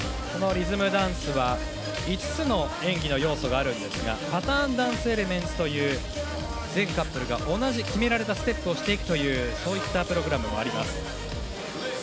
リズムダンスは５つの演技の要素があるんですがパターンダンスエレメンツという全カップルが同じ決められたステップをしていくというプログラムもあります。